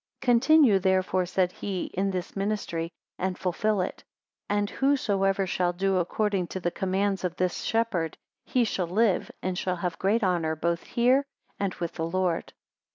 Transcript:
12 Continue therefore, said he, in this ministry, and fulfil it. And whosoever shall do according to the commands of this shepherd, he shall live; and shall have great honour both here and with the Lord.